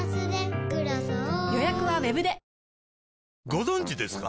ご存知ですか？